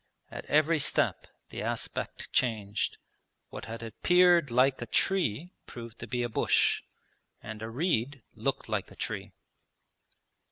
At every step the aspect changed: what had appeared like a tree proved to be a bush, and a reed looked like a tree.